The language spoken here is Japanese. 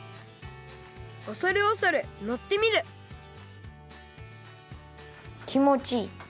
おそるおそるのってみるきもちいい！